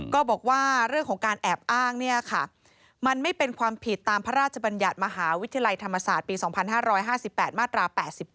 ก็บอกว่าเรื่องของการแอบอ้างเนี่ยค่ะมันไม่เป็นความผิดตามพระราชบัญญัติมหาวิทยาลัยธรรมศาสตร์ปี๒๕๕๘มาตรา๘๘